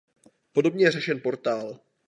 Podobně je řešen portál.